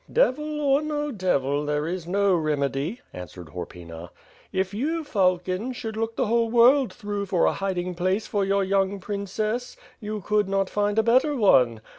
"Devil or no devil, there is no remedy," answered Horpyna. "If you, Falcon, si ould look the whole world through for a hiding place for your young princess, you could not find a better one.